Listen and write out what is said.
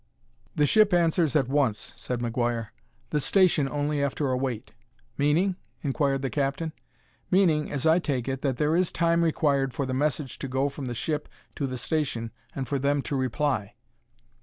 "The ship answers at once," said McGuire; "the station only after a wait." "Meaning ?" inquired the captain. "Meaning, as I take it, that there is time required for the message to go from the ship to the station and for them to reply."